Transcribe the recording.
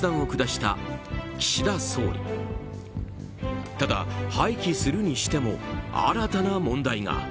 ただ、廃棄するにしても新たな問題が。